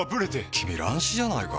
君乱視じゃないか？